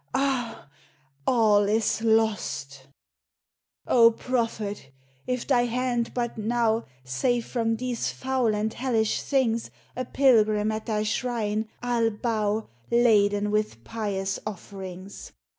Ah ! all is lost ! O Prophet ! if thy baud but now Save from these foul and hellish things, A pilgrim at thy shrine I '11 bow, Laden with pious offerings.